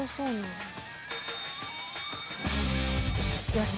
よし！